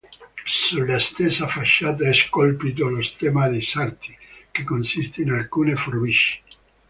Sulla stessa facciata è scolpito lo stemma dei sarti, che consiste in alcune forbici.